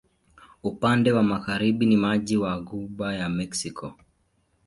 Upande wa magharibi ni maji wa Ghuba ya Meksiko.